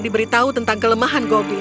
diberitahu tentang kelemahan goblin